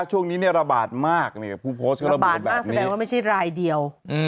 ช่วงนี้ระบาดมากพูดโพสต์ก็ระบาดแบบนี้ระบาดมากแสดงว่าไม่ใช่รายเดียว